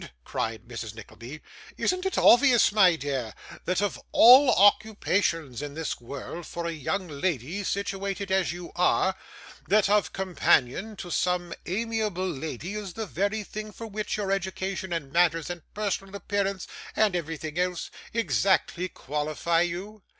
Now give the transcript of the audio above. cried Mrs. Nickleby, 'isn't it obvious, my dear, that of all occupations in this world for a young lady situated as you are, that of companion to some amiable lady is the very thing for which your education, and manners, and personal appearance, and everything else, exactly qualify you?